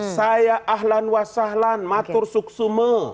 saya ahlan wasahlan matur suksume